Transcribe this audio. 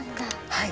はい。